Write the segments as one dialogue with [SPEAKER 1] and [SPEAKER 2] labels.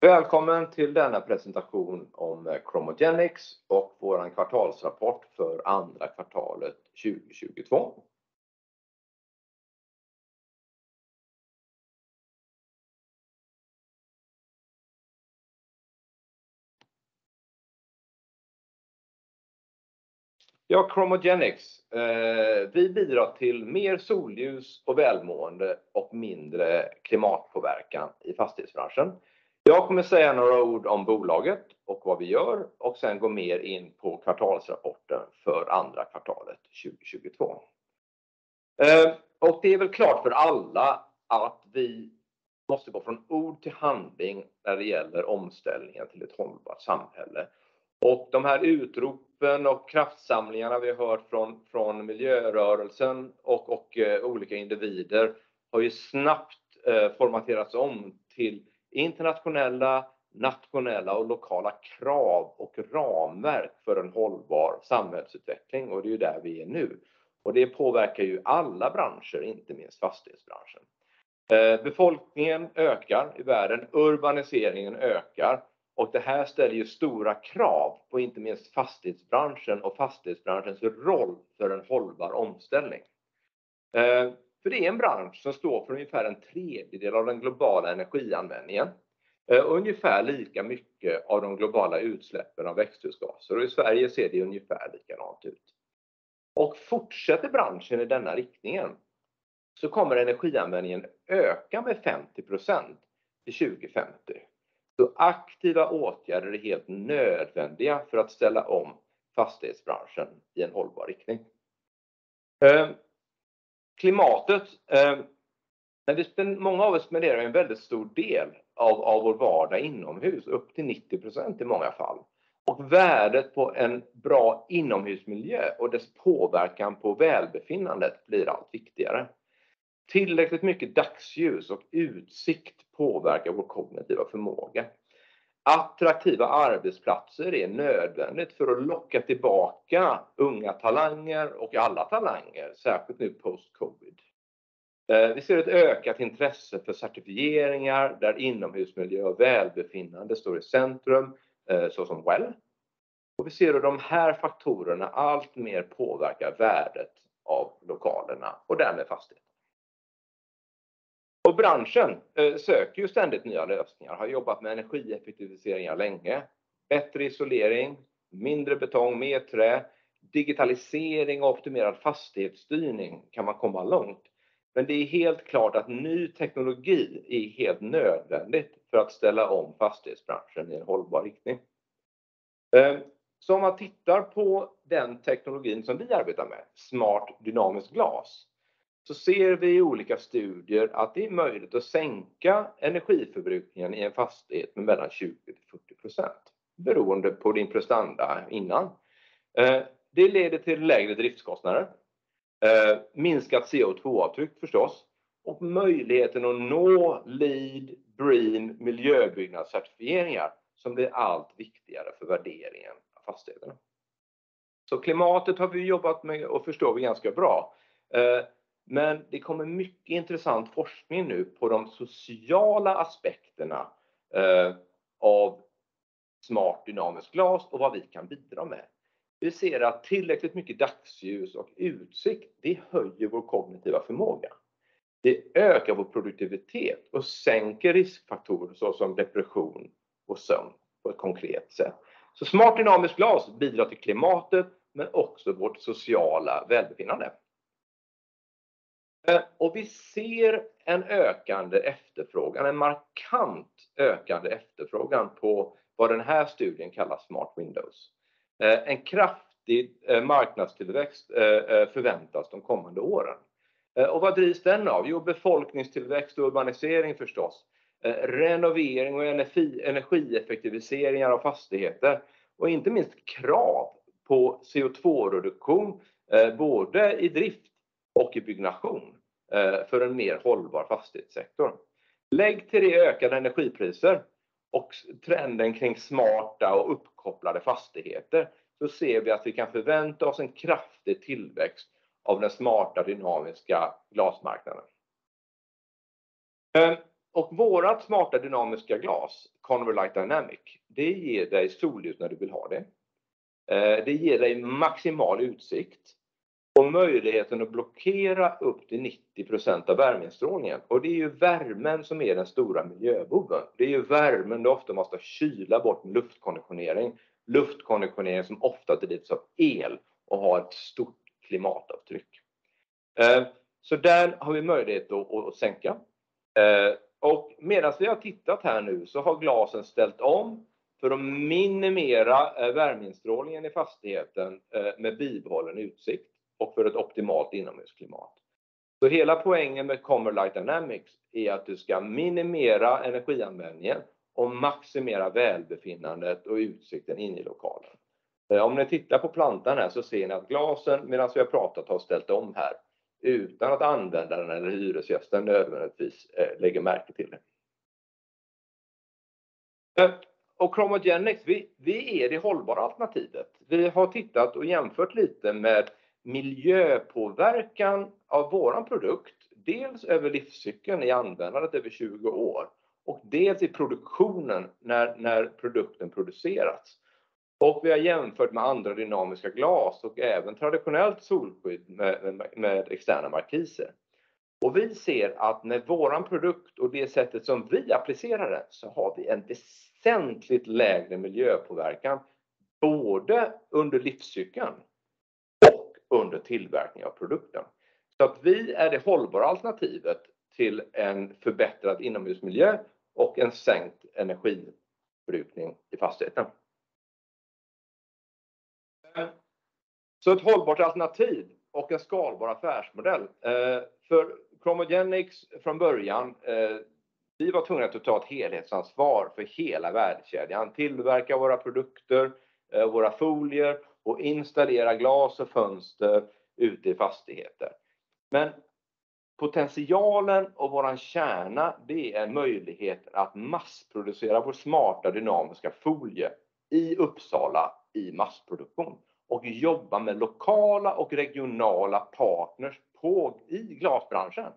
[SPEAKER 1] Välkommen till denna presentation om ChromoGenics och vår kvartalsrapport för andra kvartalet 2022. Ja, ChromoGenics. Vi bidrar till mer solljus och välmående och mindre klimatpåverkan i fastighetsbranschen. Jag kommer säga några ord om bolaget och vad vi gör och sedan gå mer in på kvartalsrapporten för andra kvartalet 2022. Det är väl klart för alla att vi måste gå från ord till handling när det gäller omställningen till ett hållbart samhälle. De här utropen och kraftsamlingarna vi hört från miljörörelsen och olika individer har ju snabbt formaterats om till internationella, nationella och lokala krav och ramverk för en hållbar samhällsutveckling. Det är ju där vi är nu. Det påverkar ju alla branscher, inte minst fastighetsbranschen. Befolkningen ökar i världen, urbaniseringen ökar och det här ställer ju stora krav på inte minst fastighetsbranschen och fastighetsbranschens roll för en hållbar omställning. För det är en bransch som står för ungefär 1/3 av den globala energianvändningen och ungefär lika mycket av de globala utsläppen av växthusgaser. I Sverige ser det ungefär likadant ut. Fortsätter branschen i denna riktningen så kommer energianvändningen öka med 50% till 2050. Aktiva åtgärder är helt nödvändiga för att ställa om fastighetsbranschen i en hållbar riktning. Klimatet, när många av oss spenderar en väldigt stor del av vår vardag inomhus, upp till 90% i många fall. Värdet på en bra inomhusmiljö och dess påverkan på välbefinnandet blir allt viktigare. Tillräckligt mycket dagsljus och utsikt påverkar vår kognitiva förmåga. Attraktiva arbetsplatser är nödvändigt för att locka tillbaka unga talanger och alla talanger, särskilt nu post-Covid. Vi ser ett ökat intresse för certifieringar där inomhusmiljö och välbefinnande står i centrum, så som WELL. Vi ser hur de här faktorerna alltmer påverkar värdet av lokalerna och därmed fastigheten. Branschen söker ju ständigt nya lösningar, har jobbat med energieffektiviseringar länge, bättre isolering, mindre betong, mer trä, digitalisering och optimerad fastighetsstyrning kan man komma långt. Det är helt klart att ny teknologi är helt nödvändigt för att ställa om fastighetsbranschen i en hållbar riktning. Om man tittar på den teknologin som vi arbetar med, smart dynamiskt glas, så ser vi i olika studier att det är möjligt att sänka energiförbrukningen i en fastighet med mellan 20 till 40%, beroende på din prestanda innan. Det leder till lägre driftskostnader, minskat CO2-avtryck förstås och möjligheten att nå LEED, BREEAM miljöbyggnadscertifieringar som blir allt viktigare för värderingen av fastigheterna. Klimatet har vi jobbat med och förstår vi ganska bra. Men det kommer mycket intressant forskning nu på de sociala aspekterna av smart dynamiskt glas och vad vi kan bidra med. Vi ser att tillräckligt mycket dagsljus och utsikt, det höjer vår kognitiva förmåga. Det ökar vår produktivitet och sänker riskfaktorer så som depression och sömn på ett konkret sätt. Smart dynamiskt glas bidrar till klimatet men också vårt sociala välbefinnande. Vi ser en ökande efterfrågan, en markant ökande efterfrågan på vad den här studien kallar smart windows. En kraftig marknadstillväxt förväntas de kommande åren. Vad drivs den av? Jo befolkningstillväxt och urbanisering förstås. Renovering och energieffektiviseringar av fastigheter och inte minst krav på CO2-reduktion, både i drift och i byggnation, för en mer hållbar fastighetssektor. Lägg till de ökade energipriserna och trenden kring smarta och uppkopplade fastigheter, så ser vi att vi kan förvänta oss en kraftig tillväxt av den smart dynamiska glasmarknaden. Vårt smart dynamiskt glas, ConverLight Dynamic, det ger dig solljus när du vill ha det. Det ger dig maximal utsikt och möjligheten att blockera upp till 90% av värmestrålningen. Det är ju värmen som är den stora miljöboven. Det är ju värmen du ofta måste kyla bort med luftkonditionering. Luftkonditionering som ofta drivs av el och har ett stort klimatavtryck. Där har vi möjlighet att sänka. Medan vi har tittat här nu så har glasen ställt om för att minimera värmestrålningen i fastigheten med bibehållen utsikt och för ett optimalt inomhusklimat. Hela poängen med ConverLight Dynamic är att du ska minimera energianvändningen och maximera välbefinnandet och utsikten inne i lokalen. Om ni tittar på plattan här så ser ni att glasen medan vi har pratat har ställt om här utan att användaren eller hyresgästen nödvändigtvis lägger märke till det. ChromoGenics, vi är det hållbara alternativet. Vi har tittat och jämfört lite med miljöpåverkan av vår produkt, dels över livscykeln i användandet över 20 år och dels i produktionen när produkten producerats. Vi har jämfört med andra dynamiska glas och även traditionellt solskydd med externa markiser. Vi ser att med vår produkt och det sättet som vi applicerar det så har vi en väsentligt lägre miljöpåverkan, både under livscykeln och under tillverkning av produkten. Vi är det hållbara alternativet till en förbättrad inomhusmiljö och en sänkt energiförbrukning i fastigheten. Ett hållbart alternativ och en skalbar affärsmodell. För ChromoGenics från början, vi var tvungna att ta ett helhetsansvar för hela värdekedjan, tillverka våra produkter, våra folier och installera glas och fönster ute i fastigheter. Men potentialen och vår kärna, det är möjligheter att massproducera vår smarta dynamiska folie i Uppsala i massproduktion och jobba med lokala och regionala partners i glasbranschen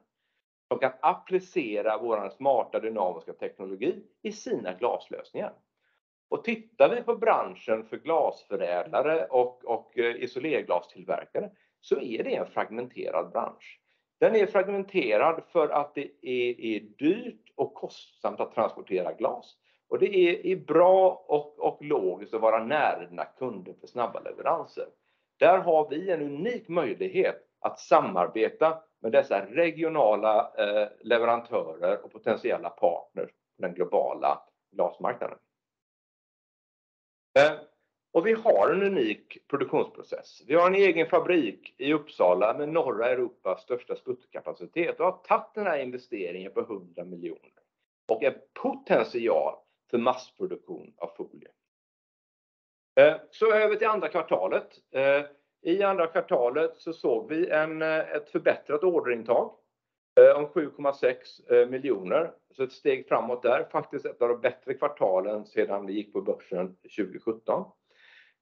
[SPEAKER 1] som kan applicera vår smarta dynamiska teknologi i sina glaslösningar. Tittar vi på branschen för glasförädlare och isolerglastillverkare så är det en fragmenterad bransch. Den är fragmenterad för att det är dyrt och kostsamt att transportera glas. Det är bra och logiskt att vara nära dina kunder för snabba leveranser. Där har vi en unik möjlighet att samarbeta med dessa regionala leverantörer och potentiella partner på den globala glasmarknaden. Vi har en unik produktionsprocess. Vi har en egen fabrik i Uppsala med norra Europas största sputterkapacitet och har tagit den här investeringen på 100 miljoner och en potential för massproduktion av folie. Över till andra kvartalet. I andra kvartalet så såg vi ett förbättrat orderintag om 7.6 miljoner. Ett steg framåt där, faktiskt ett av de bättre kvartalen sedan vi gick på börsen 2017.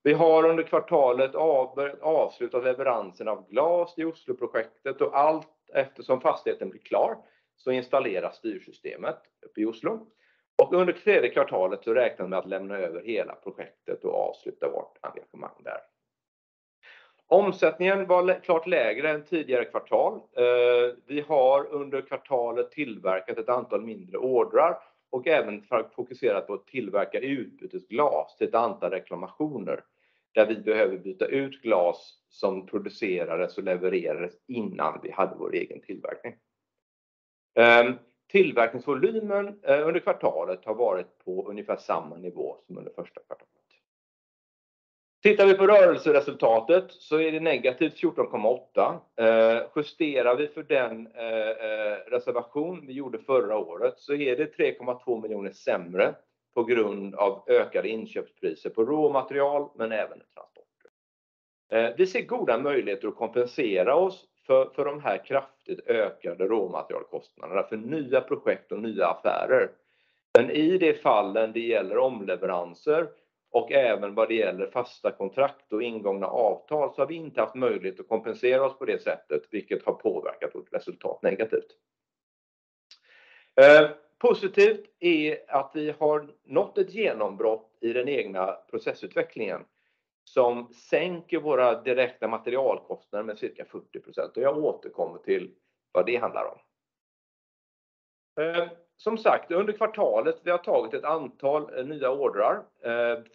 [SPEAKER 1] Vi har under kvartalet avslutat leveransen av glas i Osloprojektet och allt eftersom fastigheten blir klar så installeras styrsystemet uppe i Oslo. Under tredje kvartalet så räknar vi med att lämna över hela projektet och avsluta vårt engagemang där. Omsättningen var klart lägre än tidigare kvartal. Vi har under kvartalet tillverkat ett antal mindre ordrar och även fokuserat på att tillverka utbytesglas till ett antal reklamationer, där vi behöver byta ut glas som producerades och levererades innan vi hade vår egen tillverkning. Tillverkningsvolymen under kvartalet har varit på ungefär samma nivå som under första kvartalet. Tittar vi på rörelseresultatet så är det -14.8. Justerar vi för den reservation vi gjorde förra året så är det 3.2 miljoner sämre på grund av ökade inköpspriser på råmaterial, men även transporter. Vi ser goda möjligheter att kompensera oss för de här kraftigt ökade råmaterialkostnaderna för nya projekt och nya affärer. Men i de fallen det gäller omleveranser och även vad det gäller fasta kontrakt och ingångna avtal, så har vi inte haft möjlighet att kompensera oss på det sättet, vilket har påverkat vårt resultat negativt. Positivt är att vi har nått ett genombrott i den egna processutvecklingen som sänker våra direkta materialkostnader med cirka 40%. Jag återkommer till vad det handlar om. Som sagt, under kvartalet, vi har tagit ett antal nya ordrar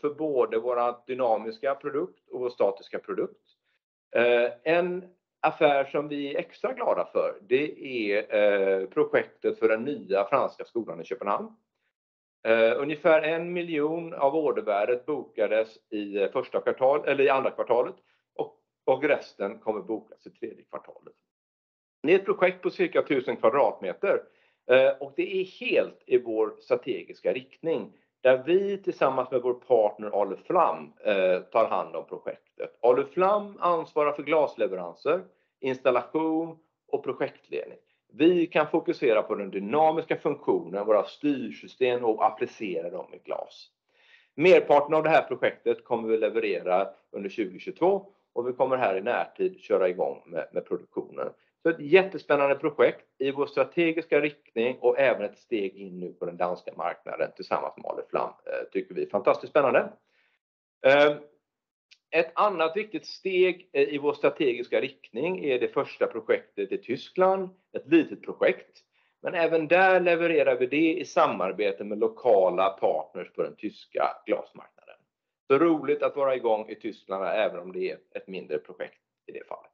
[SPEAKER 1] för både våra dynamiska produkt och vår statiska produkt. En affär som vi är extra glada för, det är projektet för den nya franska skolan i Köpenhamn. Ungefär 1 million av ordervärdet bokades i första kvartalet eller i andra kvartalet och resten kommer bokas i tredje kvartalet. Det är ett projekt på cirka 1,000 kvadratmeter och det är helt i vår strategiska riktning där vi tillsammans med vår partner Aluflam tar hand om projektet. Aluflam ansvarar för glasleveranser, installation och projektledning. Vi kan fokusera på den dynamiska funktionen, våra styrsystem och applicera dem i glas. Merparten av det här projektet kommer vi leverera under 2022 och vi kommer här i närtid köra i gång med produktionen. Ett jättespännande projekt i vår strategiska riktning och även ett steg in nu på den danska marknaden tillsammans med Aluflam. Tycker vi, fantastiskt spännande. Ett annat viktigt steg i vår strategiska riktning är det första projektet i Tyskland, ett litet projekt, men även där levererar vi det i samarbete med lokala partners på den tyska glasmarknaden. Roligt att vara i gång i Tyskland även om det är ett mindre projekt i det fallet.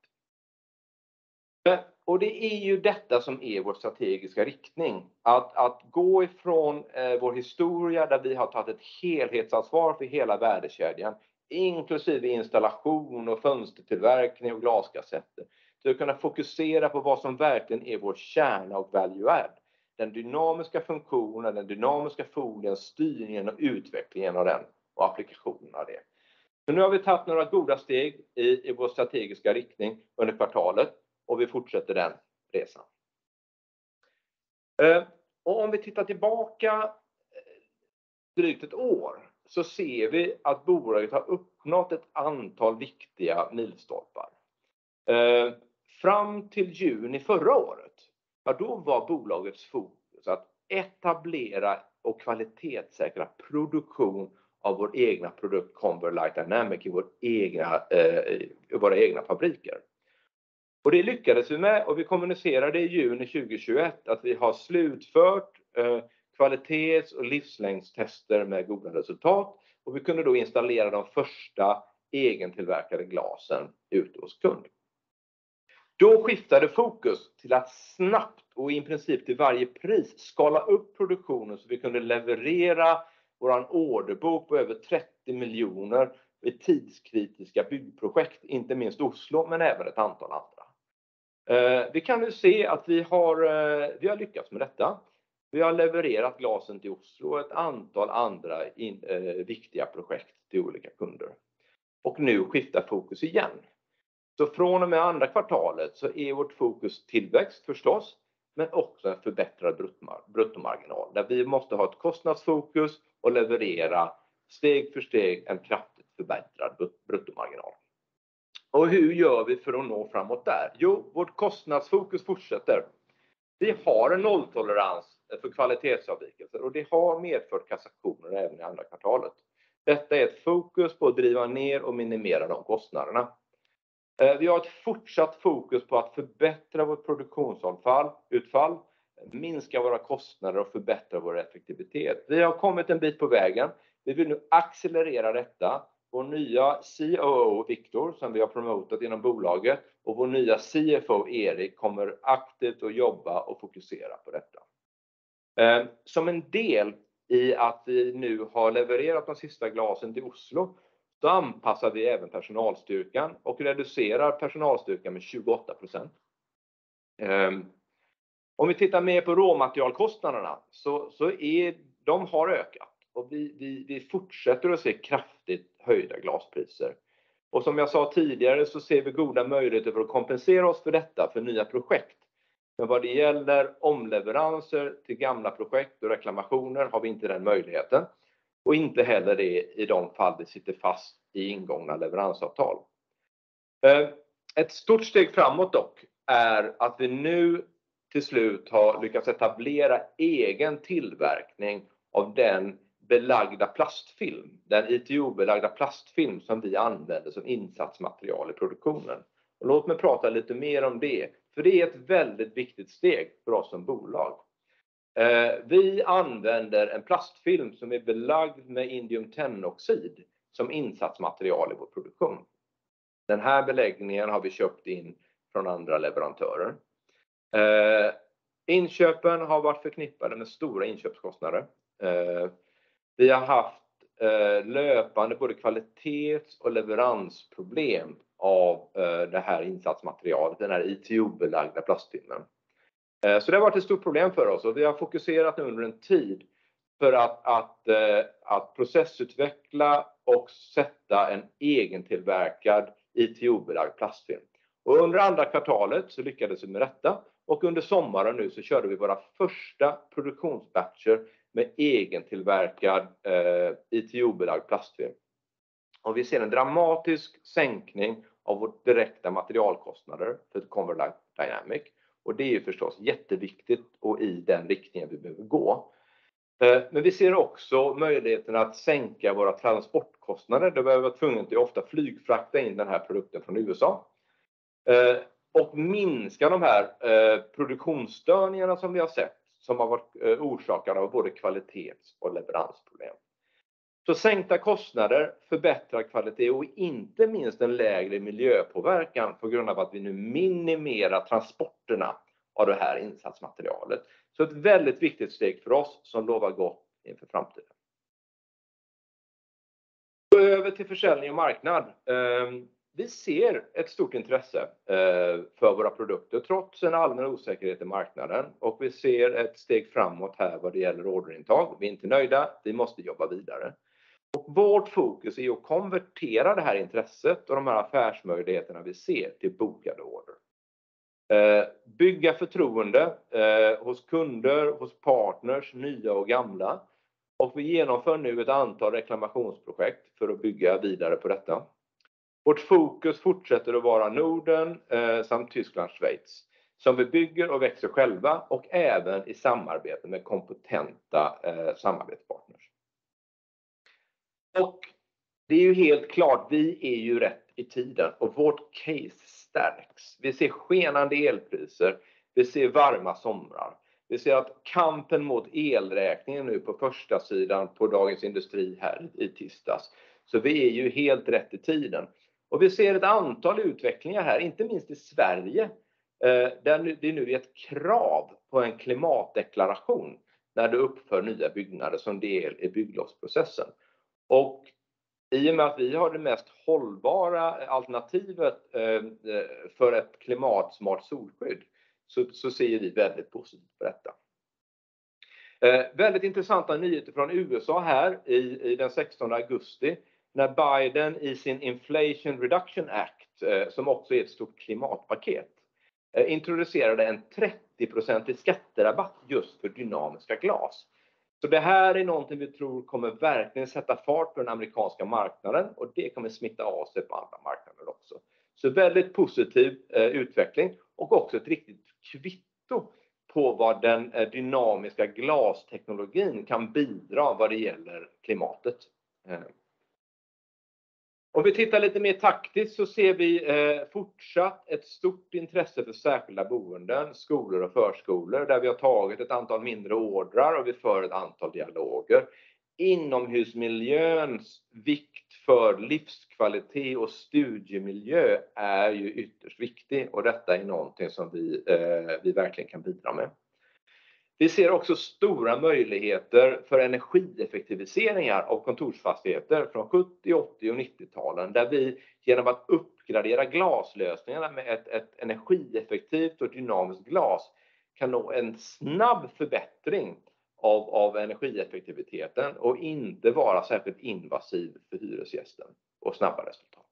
[SPEAKER 1] Det är ju detta som är vår strategiska riktning. Att gå ifrån vår historia där vi har tagit ett helhetsansvar för hela värdekedjan, inklusive installation och fönstertillverkning och glaskassetter, till att kunna fokusera på vad som verkligen är vår kärna och value add. Den dynamiska funktionen, den dynamiska folien, styrningen och utvecklingen av den och applikationen av det. Nu har vi tagit några goda steg i vår strategiska riktning under kvartalet och vi fortsätter den resan. Om vi tittar tillbaka drygt ett år så ser vi att bolaget har uppnått ett antal viktiga milstolpar. Fram till juni förra året var bolagets fokus att etablera och kvalitetssäkra produktion av vår egen produkt ConverLight Dynamic i våra egna fabriker. Det lyckades vi med och vi kommunicerade i juni 2021 att vi har slutfört kvalitets- och livslängdstester med goda resultat. Vi kunde då installera de första egentillverkade glasen ute hos kund. Skiftade fokus till att snabbt och i princip till varje pris skala upp produktionen så vi kunde leverera våran orderbok på över 30 million vid tidskritiska byggprojekt, inte minst Oslo, men även ett antal andra. Vi kan nu se att vi har lyckats med detta. Vi har levererat glasen till Oslo, ett antal andra viktiga projekt till olika kunder. Nu skiftar fokus igen. Från och med andra kvartalet så är vårt fokus tillväxt förstås, men också en förbättrad bruttomarginal, där vi måste ha ett kostnadsfokus och leverera steg för steg en kraftigt förbättrad bruttomarginal. Hur gör vi för att nå framåt där? Jo, vårt kostnadsfokus fortsätter. Vi har en nolltolerans för kvalitetsavvikelser och det har medfört kassationer även i andra kvartalet. Detta är ett fokus på att driva ner och minimera de kostnaderna. Vi har ett fortsatt fokus på att förbättra vårt produktionsavfall, utfall, minska våra kostnader och förbättra vår effektivitet. Vi har kommit en bit på vägen. Vi vill nu accelerera detta. Vår nya COO Victor Hägglund, som vi har promoterat inom bolaget, och vår nya CFO Erik kommer aktivt att jobba och fokusera på detta. Som en del i att vi nu har levererat de sista glasen till Oslo, så anpassar vi även personalstyrkan och reducerar personalstyrkan med 28%. Om vi tittar mer på råmaterialkostnaderna så är de har ökat. Vi fortsätter att se kraftigt höjda glaspriser. Som jag sa tidigare så ser vi goda möjligheter för att kompensera oss för detta för nya projekt. Vad det gäller omleveranser till gamla projekt och reklamationer har vi inte den möjligheten och inte heller det i de fall det sitter fast i ingångna leveransavtal. Ett stort steg framåt dock är att vi nu till slut har lyckats etablera egen tillverkning av den belagda plastfilm, den ITO-belagda plastfilm som vi använder som insatsmaterial i produktionen. Låt mig prata lite mer om det, för det är ett väldigt viktigt steg för oss som bolag. Vi använder en plastfilm som är belagd med indiumtennoxid som insatsmaterial i vår produktion. Den här beläggningen har vi köpt in från andra leverantörer. Inköpen har varit förknippade med stora inköpskostnader. Vi har haft löpande både kvalitets- och leveransproblem av det här insatsmaterialet, den här ITO-belagda plastfilmen. Det har varit ett stort problem för oss och vi har fokuserat nu under en tid för att processutveckla och sätta en egentillverkad ITO-belagd plastfilm. Under andra kvartalet så lyckades vi med detta och under sommaren nu så körde vi våra första produktionsbatcher med egentillverkad ITO-belagd plastfilm. Vi ser en dramatisk sänkning av vårt direkta materialkostnader för ConverLight Dynamic. Det är förstås jätteviktigt och i den riktningen vi behöver gå. Men vi ser också möjligheten att sänka våra transportkostnader, då vi har varit tvungna att ofta flygfrakta in den här produkten från USA, och minska de här produktionsstörningarna som vi har sett, som har varit orsakade av både kvalitets- och leveransproblem. Sänkta kostnader, förbättrad kvalitet och inte minst en lägre miljöpåverkan på grund av att vi nu minimerar transporterna av det här insatsmaterialet. Ett väldigt viktigt steg för oss som lovar gott inför framtiden. Över till försäljning och marknad. Vi ser ett stort intresse för våra produkter trots en allmän osäkerhet i marknaden och vi ser ett steg framåt här vad det gäller orderintag. Vi är inte nöjda, vi måste jobba vidare. Vårt fokus är att konvertera det här intresset och de här affärsmöjligheterna vi ser till bokade order. Bygga förtroende hos kunder, hos partners, nya och gamla. Vi genomför nu ett antal reklamationsprojekt för att bygga vidare på detta. Vårt fokus fortsätter att vara Norden samt Tyskland, Schweiz, som vi bygger och växer själva och även i samarbete med kompetenta samarbetspartners. Det är ju helt klart, vi är ju rätt i tiden och vårt case stärks. Vi ser skenande elpriser, vi ser varma somrar. Vi ser att kampen mot elräkningen är nu på förstasidan på Dagens Industri här i tisdags. Vi är ju helt rätt i tiden. Vi ser ett antal utvecklingar här, inte minst i Sverige. Där det nu är ett krav på en klimatdeklaration när du uppför nya byggnader som del i bygglovsprocessen. I och med att vi har det mest hållbara alternativet, för ett klimatsmart solskydd, så ser vi väldigt positivt på detta. Väldigt intressanta nyheter från USA här i den sextonde augusti när Biden i sin Inflation Reduction Act, som också är ett stort klimatpaket, introducerade en 30% skatterabatt just för dynamiska glas. Det här är någonting vi tror kommer verkligen sätta fart på den amerikanska marknaden och det kommer smitta av sig på andra marknader också. Väldigt positiv utveckling och också ett riktigt kvitto på vad den dynamiska glasteknologin kan bidra vad det gäller klimatet. Om vi tittar lite mer taktiskt så ser vi, fortsatt ett stort intresse för särskilda boenden, skolor och förskolor, där vi har tagit ett antal mindre ordrar och vi för ett antal dialoger. Inomhusmiljöns vikt för livskvalitet och studiemiljö är ju ytterst viktig och detta är någonting som vi verkligen kan bidra med. Vi ser också stora möjligheter för energieffektiviseringar av kontorsfastigheter från 70-, 80- och 90-talen, där vi genom att uppgradera glaslösningarna med ett energieffektivt och dynamiskt glas kan nå en snabb förbättring av energieffektiviteten och inte vara särskilt invasiv för hyresgästen och snabba resultat.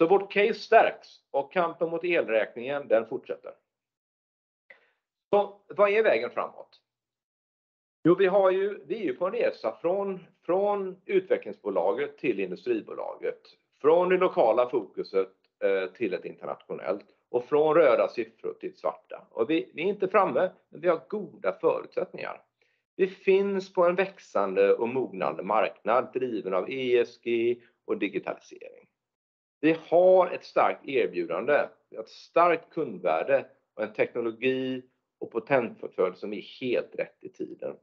[SPEAKER 1] Vårt case stärks och kampen mot elräkningen, den fortsätter. Vad är vägen framåt? Jo, vi har ju, vi är ju på en resa från utvecklingsbolaget till industribolaget, från det lokala fokuset, till ett internationellt och från röda siffror till svarta. Vi är inte framme, men vi har goda förutsättningar. Vi finns på en växande och mognande marknad driven av ESG och digitalisering. Vi har ett starkt erbjudande, ett starkt kundvärde och en teknologi och patentportfölj som är helt rätt i tiden.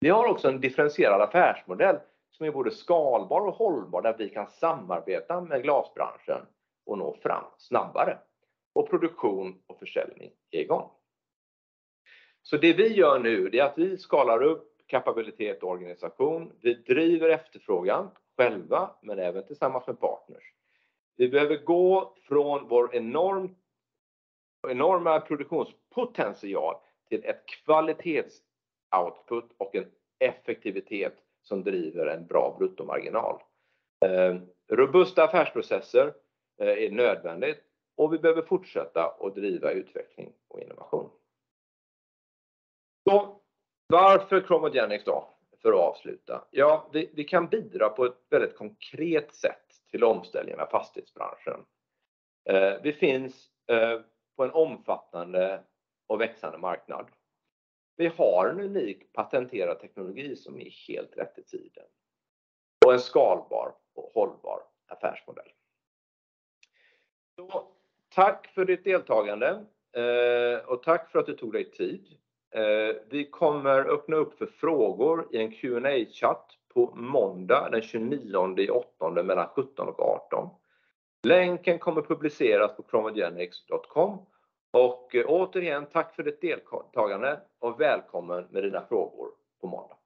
[SPEAKER 1] Vi har också en differentierad affärsmodell som är både skalbar och hållbar där vi kan samarbeta med glasbranschen och nå fram snabbare. Produktion och försäljning är i gång. Det vi gör nu, det är att vi skalar upp kapabilitet och organisation. Vi driver efterfrågan själva, men även tillsammans med partners. Vi behöver gå från vår enorma produktionspotential till ett kvalitetsoutput och en effektivitet som driver en bra bruttomarginal. Robusta affärsprocesser är nödvändigt och vi behöver fortsätta att driva utveckling och innovation. Varför ChromoGenics då? För att avsluta. Ja, vi kan bidra på ett väldigt konkret sätt till omställningen av fastighetsbranschen. Vi finns på en omfattande och växande marknad. Vi har en unik patenterad teknologi som är helt rätt i tiden och en skalbar och hållbar affärsmodell. Tack för ditt deltagande. Tack för att du tog dig tid. Vi kommer öppna upp för frågor i en Q&A-chatt på måndag den 29:e i 8:e mellan 17:00 och 18:00. Länken kommer publiceras på chromogenics.com. Återigen, tack för ditt deltagande och välkommen med dina frågor på måndag.